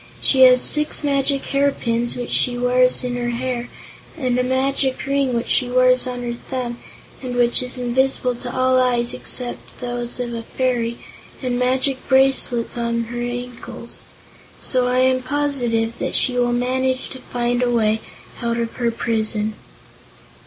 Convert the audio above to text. "She has six magic hairpins, which she wears in her hair, and a magic ring which she wears on her thumb and which is invisible to all eyes except those of a fairy, and magic bracelets on both her ankles. So I am positive that she will manage to find a way out of her prison."